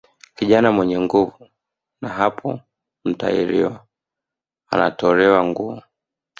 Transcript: Kijana mwenye nguvu na hapo mtahiriwa anatolewa nguo